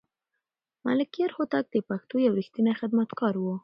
ملکیار هوتک د پښتو یو رښتینی خدمتګار و.